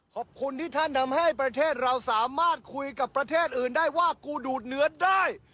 ขอบคุณที่ท่านทำให้ประเทศเราสามารถคุยกับประเทศอื่นได้ว่ากูดูดเนื้อได้